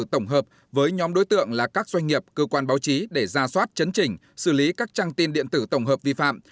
tổng hợp với nhóm đối tượng là các doanh nghiệp cơ quan báo chí để ra soát chấn chỉnh xử lý các trang tin điện tử tổng hợp vi phạm